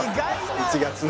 １月の。